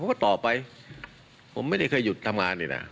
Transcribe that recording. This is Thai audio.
ก็ต่อไปผมไม่ได้เคยหยุดทำงานเลยนะ